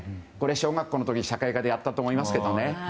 小学校の時、社会科でやったと思いますけどね。